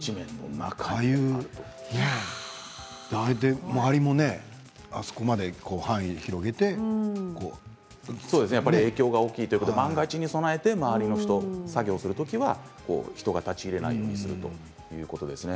ああいうね、周りもあそこまで影響が大きいということで万が一に備えて周りの人は作業するときは人が立ち入れないようにするということです。